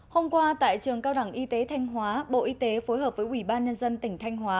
hôm qua tại trường cao đẳng y tế thanh hóa bộ y tế phối hợp với ủy ban nhân dân tỉnh thanh hóa